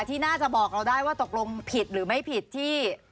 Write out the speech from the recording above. ที่น่าจะบอกเราได้ว่าตกลงผิดหรือไม่ผิดที่